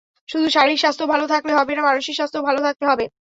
শুধু শারীরিক স্বাস্থ্য ভালো থাকলে হবে না, মানসিক স্বাস্থ্যও ভালো থাকতে হবে।